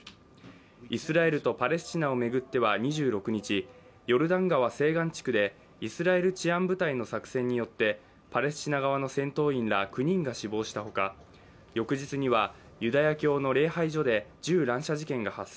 イスラエルとパレスチナを巡っては２６日、ヨルダン川西岸地区でイスラエル治安部隊の作戦によってパレスチナ側の戦闘員ら９人が死亡したほか翌日にはユダヤ教の礼拝所で銃乱射事件が発生。